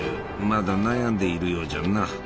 まだ悩んでいるようじゃな。